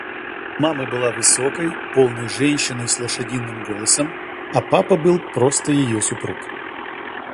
Мама была высокой, полной женщиной с лошадиным голосом, а папа был просто её супруг.